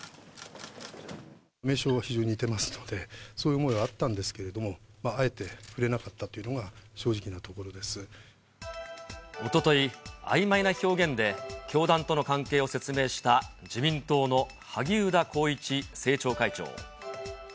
名称は非常に似てますので、そういう思いはあったんですけど、あえて触れなかったというのが正おととい、あいまいな表現で教団との関係を説明した自民党の萩生田光一政調会長。